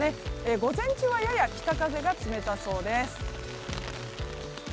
午前中はやや北風が冷たそうです。